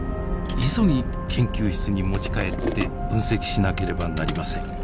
急ぎ研究室に持ち帰って分析しなければなりません。